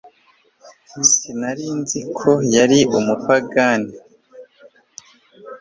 Sinari nzi ko yari Umuyapani